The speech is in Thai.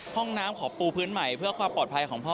ห้องน้ำขอปูพื้นใหม่เพื่อความปลอดภัยของพ่อ